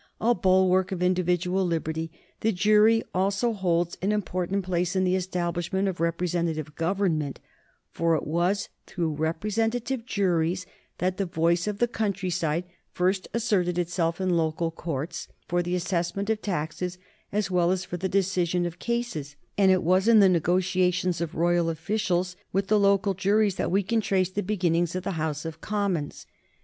A bulwark of individual liberty, the jury also holds an important place in the establishment of representative government, for it was through rep resentative juries that the voice of the countryside first asserted itself in the local courts, for the assessment of taxes as well as for the decision of cases, and it was in the negotiations of royal officers with the local juries that we can trace the beginnings of the House of Com mons.